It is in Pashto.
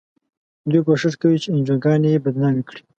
دوی کوښښ کوي چې انجوګانې بدنامې کړي.